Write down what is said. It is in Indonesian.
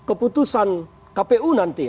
keputusan kpu nanti